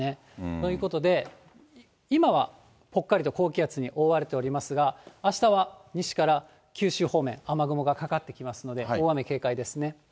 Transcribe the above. ということで、今はぽっかりと高気圧に覆われておりますが、あしたは西から九州方面、雨雲がかかってきますので、大雨警戒ですね。